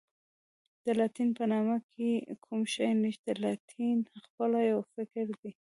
د لاتین په نامه کوم شی نشته، لاتین خپله یو فکر دی.